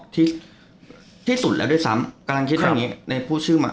ที่สุดแล้วด้วยซ้ำกำลังคิดอย่างงี้ในพูดชื่อมา